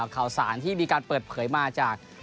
ข่าวสารที่มีการเปิดเผยมาจาก